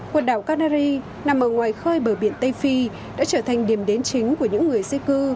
quần đảo canary nằm ở ngoài khơi bờ biển tây phi đã trở thành điểm đến chính của những người di cư